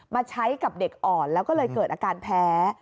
มาใช้กับเด็กอ่อนแล้วก็เลยเกิดอาการแพ้